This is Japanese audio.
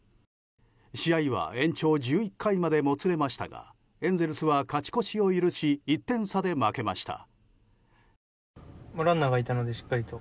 試合は延長１１回までもつれましたがエンゼルスは勝ち越しを許し１点差で負けました。